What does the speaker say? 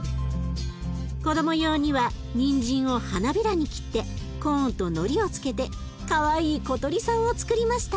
子ども用にはにんじんを花びらに切ってコーンとのりをつけてかわいい小鳥さんをつくりました。